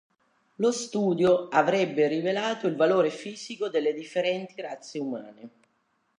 Lo studio avrebbe rivelato il valore fisico delle differenti razze umane.